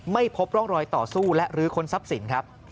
ไม่พบร่องรอยต่อสู้และรื้อค้นทรัพย์สินครับ